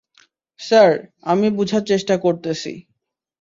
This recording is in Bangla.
স্যার, আমি বুঝার চেষ্টা করতেছি।